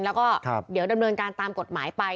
แล้วก็เดี๋ยวดำเนินการตามกฎหมายไป